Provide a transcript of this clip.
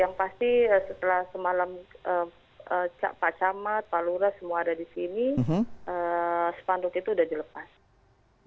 yang pasti setelah semalam pak camat pak lura semua ada di sini sepanduk itu sudah dilepas